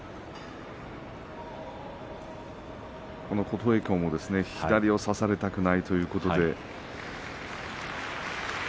琴恵光も左を差されたくないということで。